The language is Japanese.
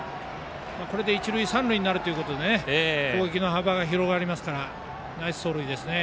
これで一塁三塁になるということで攻撃の幅が広がりますからナイス走塁ですね。